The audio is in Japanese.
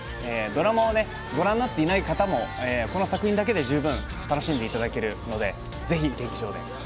ドラマをご覧になっていない方もこの作品だけで充分楽しんでいただけるのでぜひ劇場で。